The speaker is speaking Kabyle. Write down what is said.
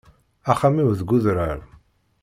Axxam-iw deg udrar.